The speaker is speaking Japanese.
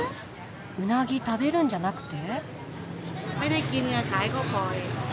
ウナギ食べるんじゃなくて？